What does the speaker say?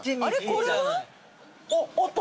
これは？あった！